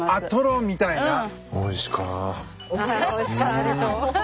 ・おいしかでしょ？